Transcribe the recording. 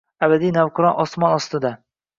Abadiy navqiron osmon ostida.